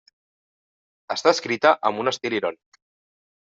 Està escrita amb un estil irònic.